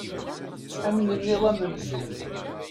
Amnenniḍ amenzu.